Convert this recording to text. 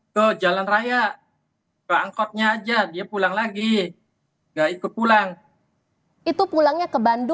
kenapa paul bersama tamu ini hostel tawuran pintu